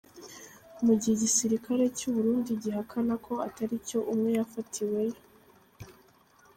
Mu gihe igisirikare cy’u Burundi gihakana ko atari cyo, umwe yafatiweyo.